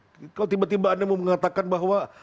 kalau tiba tiba anda mau mengatakan bahwa